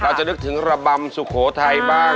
จะนึกถึงระบำสุโขทัยบ้าง